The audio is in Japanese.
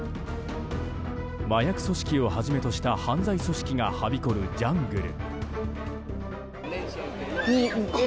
麻薬組織をはじめとした犯罪組織がはびこるジャングル。